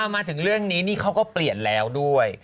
มาถึงเรื่องนี้นี่เขาก็เปลี่ยนแล้วด้วย